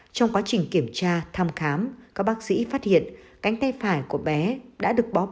trong quá trình kiểm tra thăm khám các bác sĩ phát hiện cánh tay phải của bé đã được bóp